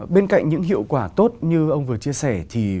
bên cạnh những hiệu quả tốt như ông vừa chia sẻ thì